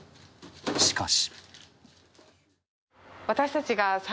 しかし。